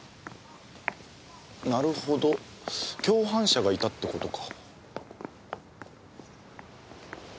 なるほど共犯者がいたって事か。